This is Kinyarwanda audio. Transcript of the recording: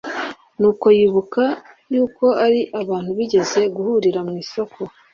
Nuko yibuka yuko ari abantu bigeze guhurira mwisoko